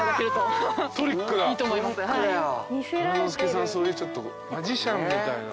そういうちょっとマジシャンみたいな。